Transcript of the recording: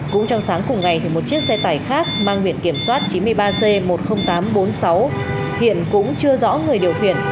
cũng trong sáng cùng ngày một chiếc xe tải khác mang biển kiểm soát chín mươi ba c một mươi nghìn tám trăm bốn mươi sáu hiện cũng chưa rõ người điều khiển